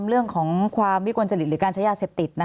เรื่องของความวิกลจริตหรือการใช้ยาเสพติด